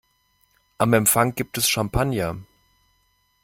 Am Empfang gibt es Champagner.